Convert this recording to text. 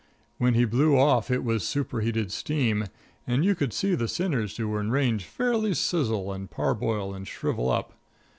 When he blew off it was super heated steam and you could see the sinners who were in range fairly sizzle and parboil and shrivel up.